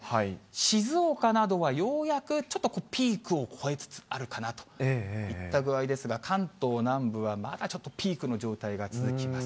静岡などはようやく、ちょっとピークを越えつつあるかなといった具合ですが、関東南部は、まだちょっとピークの状態が続きます。